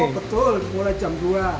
oh betul mulai jam dua